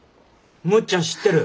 むっちゃん知ってる？